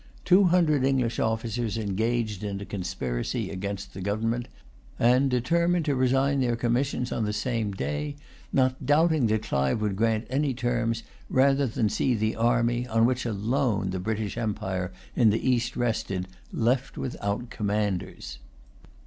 Two hundred English officers engaged in a conspiracy against the government, and determined to resign their commissions on the same day, not doubting that Clive would grant any terms, rather than see the army, on which alone the British empire in the East rested, left without commanders.